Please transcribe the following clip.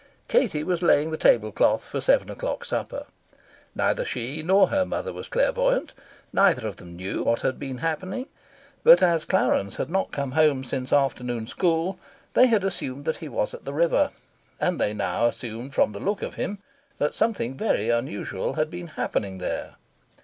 Katie was laying the table cloth for seven o'clock supper. Neither she nor her mother was clairvoyante. Neither of them knew what had been happening. But, as Clarence had not come home since afternoon school, they had assumed that he was at the river; and they now assumed from the look of him that something very unusual had been happening there.